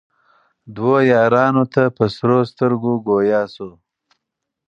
دوو یارانو ته په سرو سترګو ګویا سو